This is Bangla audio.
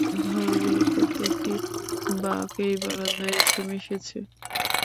ঘরগুলোর প্রত্যেকটি বাঁক এই বারান্দায় এসে মিশেছে।